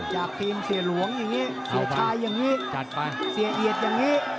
จากทีมเสียหลวงอย่างนี้สุดท้ายอย่างนี้จัดไปเสียเอียดอย่างนี้